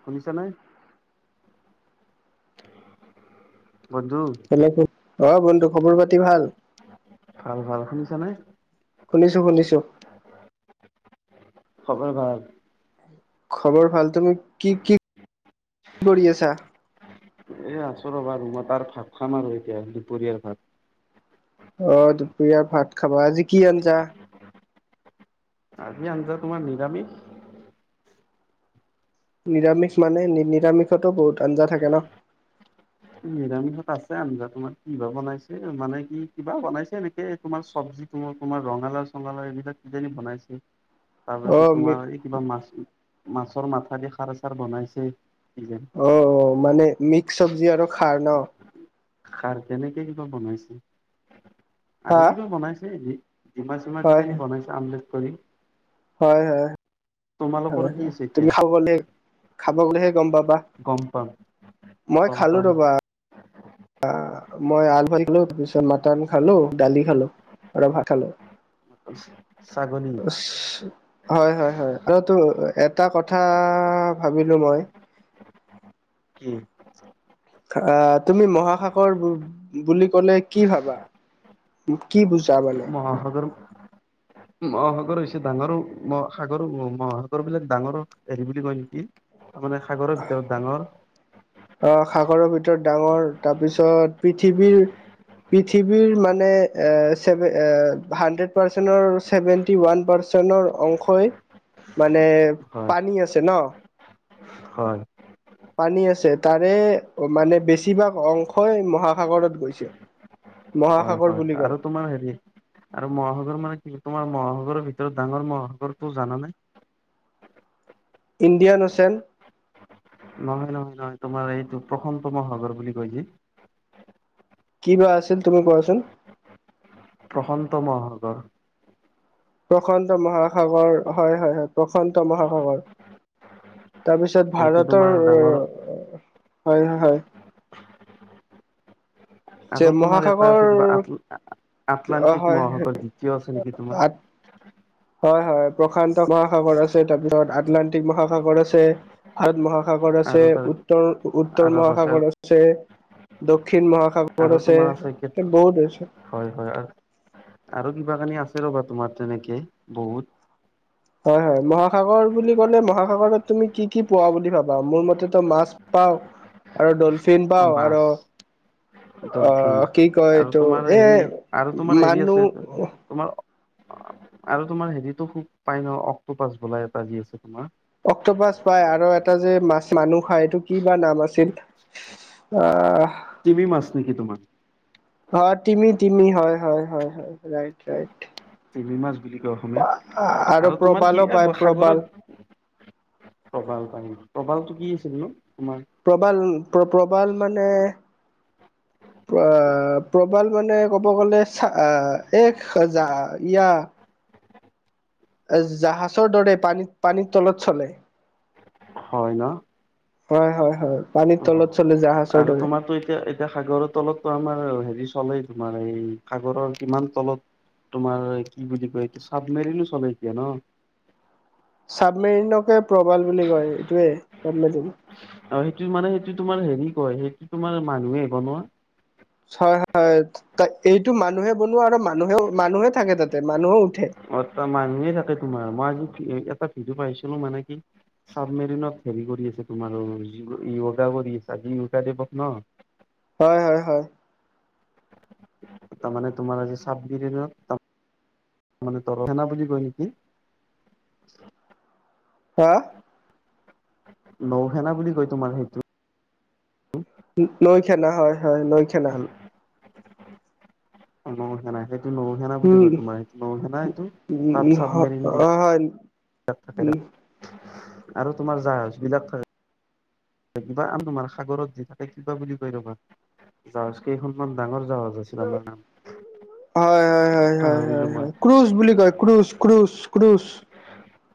[inaudible] শুনিছানে? বন্ধু। [unintelligible] অ'! বন্ধু খবৰ-পাতি ভাল? ভাল, ভাল। শুনিছানে? শুনিছোঁ-শুনিছোঁ। খবৰ ভাল? খবৰ ভাল। তুমি, কি কি কৰি আছা? এ, আছোঁ ৰ'বা। তোমাৰ তাৰ ভাত খাম আৰু এতিয়া, দুপৰীয়াৰ ভাত। অ'! দুপৰীয়া ভাত খাবা। আজি কি আঞ্জা? আজি আঞ্জা তোমাৰ নিৰামিষ। নিৰামিষ মানে, নিৰামিষতো বহুত আঞ্জা থাকে ন'! নিৰামিষত আছে, আঞ্জা তোমাৰ। কি বা বনাইছে! মানে কি, কিবা বনাইছে এনেকে, তোমাৰ চব্জি। তোমাৰ ৰঙালাও-চঙালাও এইবিলাক, কিহেদি বনাইছে? অ তাৰপিছত মি তোমাৰ, এই কিবা মাছ, মাছৰ মাথা দি খাৰ-চাৰ বনাইছে। যে, অ' অ'! মানে, মিট চব্জি আৰু খাৰ ন'? খাৰ তেনেকে কিবা বনাইছে। হা আৰু কিবা বনাইছে এনে। দিমা-চিমা বিচাৰি বনাইছে, আমলেট কৰি। হয়, হয়! তোমালোকৰ হয়, কি হয়! আছে তুমি এতিয়া খাবলে, খাব গ'লেহে গম পাবা? গম পাম। মই গম খালোঁ পাম। ৰ'বা। [inaudible] আঁ মই আলু [unintelligible] পিছত মাটন খালোঁ, দালি খালোঁ। আৰু ভাত খালোঁ। [unintelligible] ছাগলী? [unintelligible] হয়, হয়, হয়! [unintelligible] এটা কথা ভাবিলোঁ মই। উম। আঁ তুমি মহাসাগৰ বুলি ক'লে, কি ভাবা? কি বুজা মানে? মহাসাগৰ [unintelligible] মহাসাগৰ হৈছে, ডাঙৰ মহাসাগৰ মহাসাগৰ বিলাক ডাঙৰ হেৰি বুলি কয় নেকি। তাৰ মানে সাগৰৰ ভিতৰত ডাঙৰ। আহ, সাগৰৰ ভিতৰত ডাঙৰ তাৰ পিছত পৃথিৱীৰ পৃথিৱীৰ মানে ছেভে হান্দ্ৰেদ পাৰ্চেনৰ চেভেনটি ৱান পাৰ্চেনৰ অংশই মানে হয় পানী আছে ন? হয়। পানী আছে, তাৰে মানে বেছিভাগ অংশই মহাসাগৰত গৈছে। হয় মহাসাগৰ হয় বুলি কয় আৰু তোমাৰ হেৰি আৰু মহাসাগৰ মানে কি তোমাৰ মহাসাগৰৰ ভিতৰত ডাঙৰ মহাগৰটো জানানে? ইণ্ডিয়ানচিয়ান। নহয় নহয় নহয়, তোমাৰ এইটো প্ৰসান্ত মহাগৰ বুলি কৈ যে। কিনো আছিল তুমি কোৱাচোন? প্ৰশান্ত মহাসাগৰ। প্ৰশান্ত মহাসাগৰ হয় হয় হয়, প্ৰশান্ত মহাসাগৰ। তাৰপিছত সেইটো ভাৰতৰ। তোমাৰ ডাঙৰ হয় হয়! যে আৰু তোমাৰ এটা মহাসাগৰ আছে কিবা অ আ-আটলান্টিক হয় মহাসাগৰ দ্বিতীয় আছে নেকি তোমাৰ। হয় হয়, প্ৰশান্ত মহাসাগৰ আছে তাৰপিছত আটলান্টিক মহাসাগৰ আছে। ভাৰত মহাসাগৰ আছে, আৰু তাৰ উত্তৰ উত্তৰ মহাসাগৰ আছে, দক্ষিণ মহা আৰু সাগৰ আছে, তোমাৰ এ বহুত আছে। হয় হয়, আৰু কিবা আছে তোমাৰ তেনেকে বহুত। হয় হয়, মহাসাগৰ বুলি ক'লে মহাসাগৰত তুমি কি কি পোৱা বুলি ভাবা? মোৰ মতেটো মাছ, পাওঁ, আৰু ডলফিন পাওঁ মাছ আৰু ডলফিন আহ কি কয় আৰু এইটো তোমাৰ এ হেৰি আৰু তোমাৰ হেৰি আছে। মানুহ তোমাৰ আৰু তোমাৰ হেৰিটো খুব পাই ন, অক্টোপাছ বোলা এটা যে আছে তোমাৰ। অক্টোপাছ পাই আৰু এটা যে মাছ মানুহ খায় এইটো কি বা নাম আছিল। অ'। তিমি মাছ নেকি তোমাৰ। অ' তিমি তিমি হয় হয় ৰাইত ৰাইত। তিমি মাছ বুলি কয় অসমীয়াত আৰু তোমাৰ কি প্ৰবালো পায় প্ৰবাল সাগৰত প্ৰবাল প্ৰাণী, প্ৰবালটো কি আছিলনো তোমাৰ? প্ৰবাল প্ৰবাল মানে [inaudible] প্ৰবাল মানে ক'ব গ'লে এক হেজাৰ ইয়া জাহাছৰ দৰে পানীত পানীৰ তলত চলে। হয় ন। হয় হয় হয়, পানীৰ তলত চলে জাহাছৰ দৰে। তই এতিয়া এতিয়া সাগৰৰ তলতটো আমাৰ হেৰি চলেই তোমাৰ এই সাগৰৰ কিমান তলত তোমাৰ কি বুকি কয়, এইটো চাবমেৰিনো চলে এতিয়া ন। চাবমেৰিনকে প্ৰবাল বুলি কয়, এইটোৱে চাবমেৰিন। আৰু সেইটো মানে সেইটো তোমাৰ হেৰি কয়, সেইটো তোমাৰ মানুহে বনোৱা। হয় হয়, এইটো মানুহে বনোৱা আৰু মানুহেও মানুহে থাকে তাতে মানুহেও উঠে। অ' মানুহে থাকে তোমাৰ মই এটা ভিডি'অ পাইছিলো মানে কি চাবমেৰিনত হেৰি কৰি আছে তোমাৰ য়োগা কৰি আছে, আজি য়োগা দিৱস ন। হয় হয় হয়। তাৰমানে তোমাৰ আজি চাবমেৰিনৰ মানে তৰসেনা বুলি কয় নেকি। হা? নৌ সেনা বুলি কয় তোমাৰ সেইটো। নৌ সেনা হয় হয়, নৌ সেনা। হেল্ল'। নৌ সেনা, সেইটো নৌ সেনা বুলি উম কয় তোমাৰ, নৌ সেনা এইটো তাত উম চাবমেৰিন দি হয় হয়। [unintelligible] থাকে আৰু তোমাৰ জাহাজ বিলাক থাকে- কিবা আন তোমাৰ সাগৰত যি থাকে কিবা বুলি কৈ ৰবা, জাহাজ কেইখনমান ডাঙৰ জাহাজ আছে। [unintelligible] হয় হয় হয় হয় পাহৰিলো হয় মই হয়, ক্ৰোচ বুলি কয়, ক্ৰোচ ক্ৰোচ ক্ৰোচ।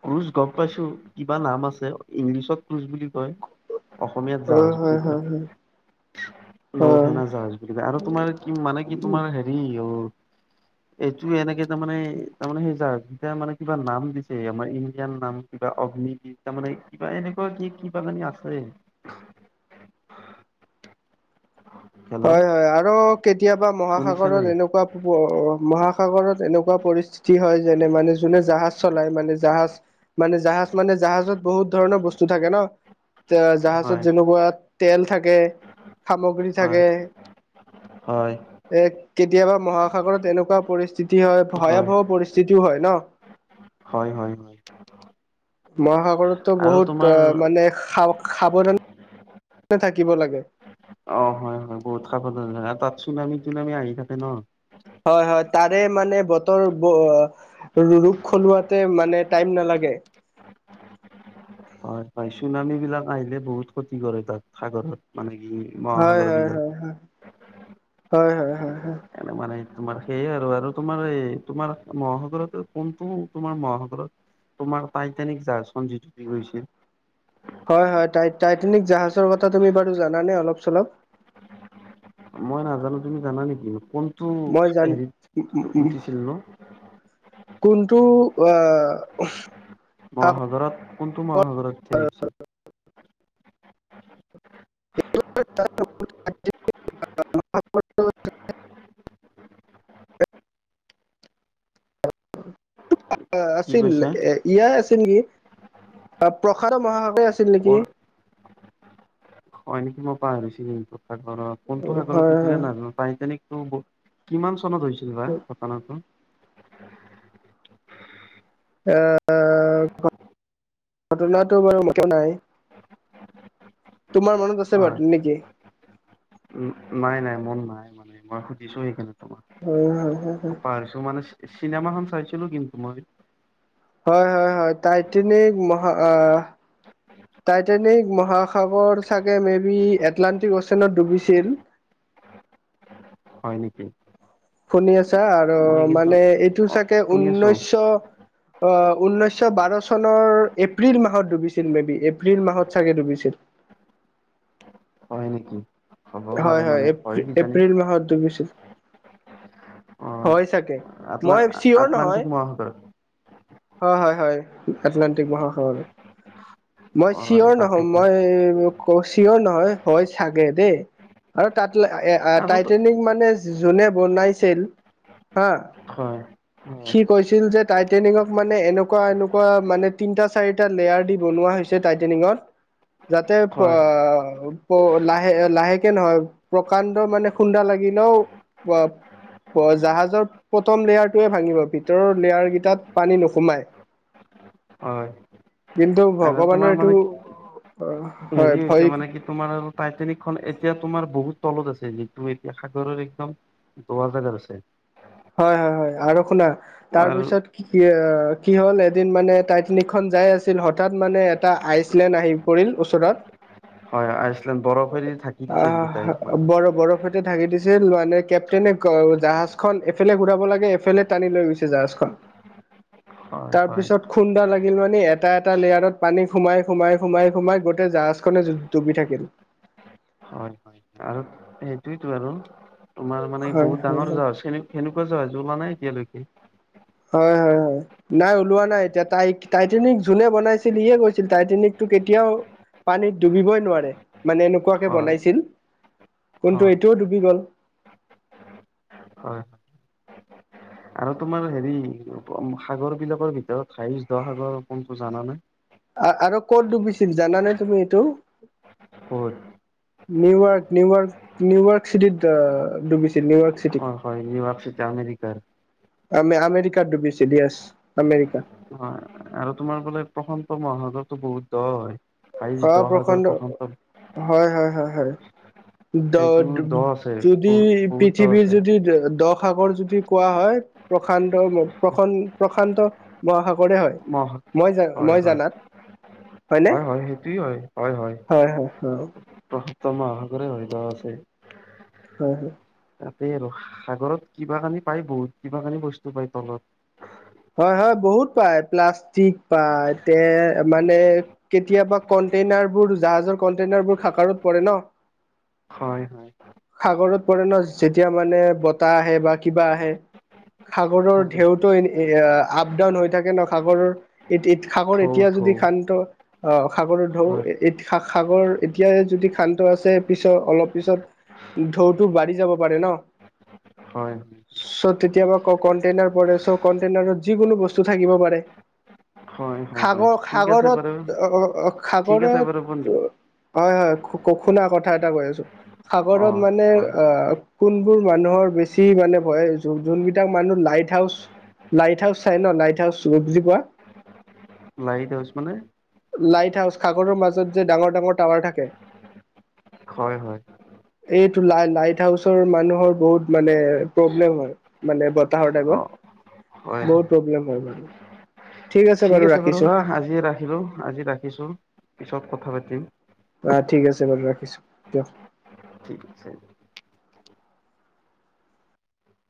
ক্ৰোচ গম পাইছো, কিবা নাম আছে ইংলিছত ক্ৰোচ বুলি কয়। অসমীয়াত হয় জাহাজ বুলি হয় কয়। হয় হয় নৌ হয় সেনা জাহাজ বুলি কয় আৰু তোমাৰ কি মানে কি তোমাৰ হেৰি অঁ'- এইটো এনেকে তাৰ মানে সেই [unintelligible] যেতিয়া মানে কিবা নাম দিছে আমাৰ ইণ্ডিয়ান নাম। কিবা অগ্নিবিৰ, তাৰ মানে কিবা এনেকুৱা কি কিবা কানি আছে। হেল্ল' হয় হয় আৰু কেতিয়াবা শুনিছা নে মহাসাগৰত এনেকুৱা মহাসাগৰত এনেকুৱা পৰিস্থিতি হয় যেনে মানে জোনে জাহাজ চলায় মানে জাহাজ- মানে জাহাজ মানে জাহাজত বহুত ধৰণৰ বস্তু থাকে ন'। এ জাহাজত হয় যেনেকুৱা তেল থাকে সামগ্ৰী হয় থাকে। হয় এ কেতিয়াবা মহাসাগৰত এনেকুৱা পৰিস্থিতি হয় ভয়াৱহক পৰিস্থিতিও হয় ন'। হয় হয় হয়। মহাসাগৰততো আৰু বহুত তোমাৰ অঁ' মানে সা-সাৱধাণে থাকিব লাগে। অঁ' হয় হয় বহুত সাৱধান হয় আৰু চুনামী তুনামি আহি থাকে ন'। হয় হয় তাৰে মানে বতৰ ব ৰোগ সলোৱাতে মানে টাইম নালাগে। হয়, চুনামী বিলাক আহিলে বহুত ক্ষতি কৰে তাত সাগৰত মানে কি- হয় মহাসাগৰ হয় হয় বিলাকত। হয় হয় হয় হয় হয়। এনে মানে তোমাৰ সেইয়াই আৰু তোমাৰ এই তোমাৰ মহাসাগৰত কোনটো তোমাৰ মহাসাগৰত- তোমাৰ টাইটেনিক জাহাজখন যি ডুবি গৈছিল। হয় হয়, টাইটেনিক জাহাজৰ কথা তুমি বাৰু জানা নে অলপ চলপ? মই নাজানো, তুমি জানা নেকি কোনটো মই জান হেৰিত উঠিছিল ন'? কোনটো আহ'- মহাসাগৰত কোনটো মহাসাগৰত থেলিছিল? [unintelligible] [unintelligible] [unintelligible] কি আছিল কৈছা এ- ইয়াই আছিল নেকি, অঁ' প্ৰখান্দ মহাসাগৰে আছিল নেকি। কৰ হয় নেকি, মই পাহৰিছিলো, সাগৰত কোনটো সাগৰত হয় নিছিলে হয় নাজানোঁ, টাইটানিকতো কিমান চনত হৈছিল বা ঘটনাটো? অ', ঘটনাটো বাৰু একো নাই। তোমাৰ মনত আছে বাৰু নেকি? উম্, নাই নাই মন নাই মানে, মই সুধিছোঁ সেইকাৰণে তোমাক। উম্, চাইছোঁ, মানে চিনেমাখন চাইছিলোঁ কিন্তু মই। হয় হয় হয়, টাইটানিক মহা টাইটেনিক মহাসাগৰ চাগে মে বি, এটলানণ্টিক অশচনত ডুবিছিল। হয় নেকি? শুনি আছাঁ আৰু মই কিন্তু মানে এইটো অ চাগে শুনি আছো ঊনৈছশ অ', ঊনৈছশ বাৰ চনৰ এপ্ৰিল মাহত ডুবিছিল মে বি, এপ্ৰিল মাহত চাগে ডুবিছিল। হয় নেকি? হ'ব হয় পাৰে হয়, মানে এ কিজানি এপ্ৰিল মাহত ডুবিছিল। অ হয় চাগে! আটলা, মই চিয়ৰ নহয় আটলাণ্টিক মহাসাগৰ। হয় হয় হয়, আটলাণ্টিক মহাসাগৰত। মই হয় চিঞৰ তাকেইতো নহয়, মই ক' চিঞৰ নহয়। হয় চাগে দেই! আৰু তাত আৰু তো- টাইটেনিক মানে, যোনে বনাইছিল হা হয় হয়, সি কৈছিল যে টাইটেনিকক মানে এনেকুৱা, এনেকুৱা মানে তিনটা চাৰিটা লেয়াৰ দি বনোৱা হৈছিল। যে টাইটেনিঙত, যাতে হয় লাহে লাহেক নহয়, প্ৰকাণ্ড মানে খুন্দা লাগিলেও জাহাজৰ প্ৰথম লেয়াৰটোৱে ভাঙিব, ভিতৰৰ লেয়াৰ কেইটাত পানী নোসোমাই। হয়, কিন্তু অ'। ভগৱানৰ এইটো, অ'। কি হেৰি হৈছে মানে সেই তোমাৰ টাইটেনিক খন এতিয়া তোমাৰ বহুত তলত আছে, যিটো এতিয়া সাগৰৰ একদম গোৱা যাগাত আছে। হয় হয় হয় আৰু শুনা, আৰু তাৰপিছত কি কি হ'ল, এদিন মানে টাইটানিক খন যাই আছিল। হঠাৎ মানে এটা আইচলেণ্ড আহিম পৰিল ওচৰত। হয়, আইচলেণ্ড বৰফেদি থাকি দিছে গোটাই তোমাক। সৈতে ঢাকি দিছে, লোৱা নাই কেপ্টেইনে জাহাজ খন সেইফালে ঘূৰাব লাগে, এইফালে টানি লৈ গৈছে জাহাজখন। হয় হয় তাৰপিছত খুন্দা লাগিল মানে, এটা এটা লেয়াৰত পানী সোমাই সোমাই, সোমাই সোমাই গোটেই জাহাজখনে ডুবি থাকিল। সেইটোৱেটো আৰু তোমাৰ মানে হয় বহুত হয় ডাঙৰ হয় জাহাজ খিনি সেনেকুৱা জাহাজ ওলোৱা নাই এতিয়ালৈকে। হয় হয় হয়। নাই ওলোৱা নাই এতিয়া, তাই টাইটেনিক যোনে বনাইছিল। সিয়ে কৈছিল, টাইটেনিকটো কেতিয়াও পানীত ডুবিবই নোৱাৰে, মানে এনেকুৱাকে হয় বনাইছিল কিন্তু হয় এইটোও ডুবি গ'ল। হয় হয়। আৰু তোমাৰ হেৰি, সাগৰ বিলাকৰ ভিতৰত হাইছ দ সাগৰ কোনটো জানানে? আৰু ক'ত ডুবিছিল জানানে তুমি এইটো। ক'ত? নিউয়ৰ্ক নিউয়ৰ্ক, নিউয়ৰ্ক চিটিত ডুবিছিল নিউয়ৰ্ক। চিটিত হয় হয়, নিউয়ৰ্ক চিটি আমেৰিকাৰ। আমে, আমেৰিকাত ডুবিছিল, ইয়েছ আমেৰিকা। হয় আৰু তোমাৰ বোলে প্ৰশান্ত মহাসাগৰটো বহুত দ হয়। হাইষ্ট অ দ সাগৰ প্ৰখণ্ড প্ৰশান্ত হয় হয় হয় হয়। দ সেইটো দ আছে যদি বহুত বহুত দ পৃথিৱীৰ আছে যদি দ সাগৰ যদি যদি কোৱা হয় প্ৰশান্ত প্ৰ প্ৰসন্ত প্ৰশান্ত মহাসাগৰে হয়, মহা মই হয় মই হয় জানাত হয়নে? হয় হয় সেইটোৱে হয়। হয় হয়। হয়, হয়, হয়। প্ৰশান্ত মহাসাগৰে হয়, দ আছে। হয় হয়। তাতে আৰু সাগৰত কিবা কানি পায় বহুত কিবা কানি বস্তু পায় তলত। হয় হয় বহুত পায়, প্লাষ্টিক পায় তে মানে কেতিয়াবা কণ্টেইনাৰবোৰ জাহাজৰ কন্টেইনাৰবোৰ সাগৰত পৰে ন। হয়। হয় সাগৰত পৰে ন যেতিয়া মানে বতাহ আহে বা কিবা আহে। সাগৰৰ হয় ঢেউটো এনে এয়া আপ ডাউন হৈ থাকে ন, সাগৰৰ এ সাগৰ থৌ এতিয়া যদি থৌ শান্ত আহ সাগৰৰ ঢৌ হয় সাগৰ এতিয়াই যদি শান্ত আছে পিছত অলপ পিছত ঢৌটো বাঢ়ি যাব পাৰে ন। হয়। চ কেতিয়াবা ক কন্টেইনাৰ পৰে চ কন্টেইনাৰত যিকোনো বস্তু থাকিব পাৰে। হয় হয় সাগ হয় ঠিক আছে বাৰু সাগৰত অ অ ঠিক আছে বাৰু বন্ধু সাগৰত হয় হয় শুনা কথা এটা কৈ আছোঁ, অ সাগৰত মানে কোৱা আ কোনবোৰ মানুহৰ বেছি মানে ভয় যোনবিলাক মানুহ লাইট হাউচ লাইট হাউচ চাই ন, লাইট হাউচ বুজি পোৱা? লাইট হাউচ মানে? লাইট হাউচ সাগৰৰ মাজত যে ডাঙৰ ডাঙৰ টাৱাৰ থাকে। হয় হয়। এইটো লাই লাইট হাউচৰ মানুহৰ বহুত মানে প্ৰব্লেম হয়। মানে বতাহৰ অ টাইমত। হয় বহুত হয় প্ৰব্লেম হয় মানে। ঠিক আছে বাৰু আজি ৰাখিলোঁ, আজি ৰাখিছো পিছত কথা পাতিম। অ ঠিক আছে বাৰু ৰাখিছোঁ, দিয়ক। ঠিক আছে।